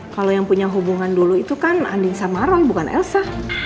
kalau yang punya hubungan dulu itu kan andin sama roll bukan elsa